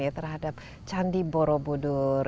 terhadap candi borobudur